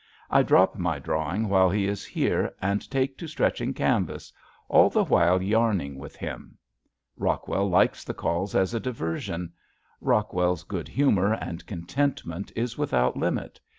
I drop my drawing while he is here and take to stretching canvass, all the while yarning with him. Rockwell likes the calls as a diversion. Rockwell's good humor and contentment is without limit.